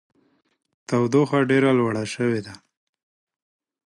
تودوخه ډېره لوړه شوې ده.